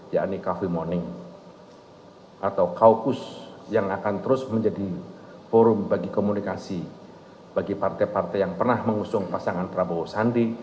yakni cafe moning atau kaukus yang akan terus menjadi forum bagi komunikasi bagi partai partai yang pernah mengusung pasangan prabowo sandi